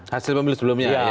hasil pemilu sebelumnya